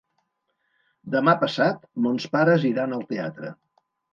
Demà passat mons pares iran al teatre.